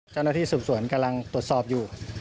เจ้านที่ศูนย์สวนกำลังตรวจสอบอยู่